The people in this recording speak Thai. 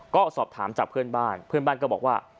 ก็สอบถามจากเพื่อนบ้านเพื่อนบ้านก็บอกว่า